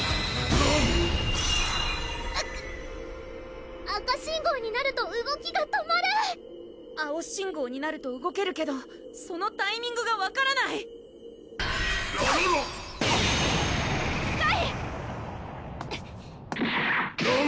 ラン赤信号になると動きが止まる青信号になると動けるけどそのタイミングが分からないラララスカイ！ラン！